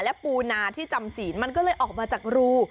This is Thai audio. และปูนาที่จำศีลมันก็เลยออกมาจากรู